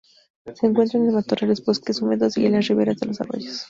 Se encuentra en matorrales, bosques húmedos y las riberas de los arroyos.